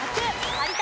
有田